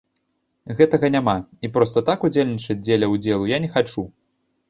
Гэтага няма, і проста так удзельнічаць дзеля ўдзелу я не хачу.